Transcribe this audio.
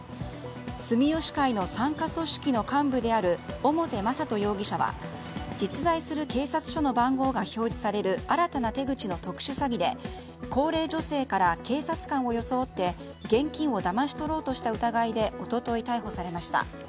住吉会の傘下組織の幹部である表雅人容疑者は実在する警察署の番号が表示される新たな手口の特殊詐欺で高齢女性から警察官を装って現金をだまし取ろうとした疑いで一昨日逮捕されました。